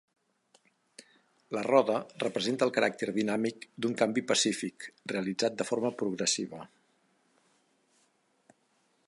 La roda representa el caràcter dinàmic d'un canvi pacífic, realitzat de forma progressiva.